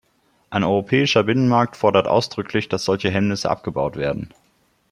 Ein europäischer Binnenmarkt fordert ausdrücklich, dass solche Hemmnisse abgebaut werden.